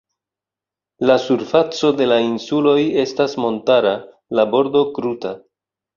La surfaco de la insuloj estas montara, la bordo kruta.